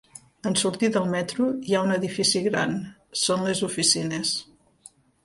En sortir del metro hi ha un edifici gran, són les oficines.